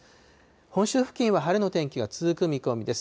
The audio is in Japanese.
本州付近は晴れの天気が続く見込みです。